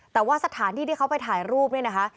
แต่ว่าสถานที่ที่เขาไปถ่ายรูปเนี่ยนะคะ